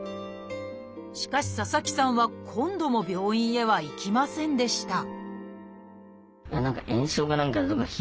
しかし佐々木さんは今度も病院へは行きませんでした